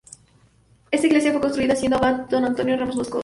Esta iglesia fue construida siendo abad don Antonio Ramos Moscoso.